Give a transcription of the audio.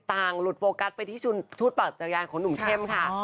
ต่างหลุดโปรกัสไปที่ชุดปรากฏยาลของหนุ่มเค้มค่ะ